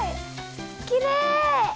きれい！